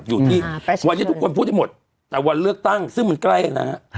อยู่ที่วันนี้ทุกคนพูดให้หมดแต่วันเลือกตั้งซึ่งมันใกล้นะฮะ